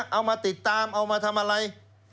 เอามาติดตามเอามาทำอะไร